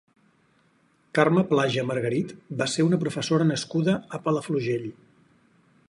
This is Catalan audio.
Carme Plaja Margarit va ser una professora nascuda a Palafrugell.